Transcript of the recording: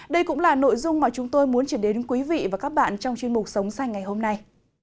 đây cũng là nội dung mà chúng tôi muốn chuyển đến quý vị và các bạn trong chuyên mục sống xanh ngày hôm nay